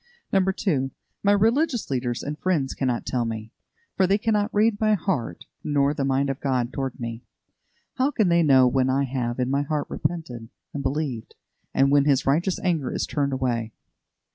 2. My religious teachers and friends cannot tell me, for they cannot read my heart, nor the mind of God toward me. How can they know when I have in my heart repented and believed, and when His righteous anger is turned away?